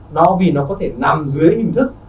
nó vì nó có thể nằm dưới hình thức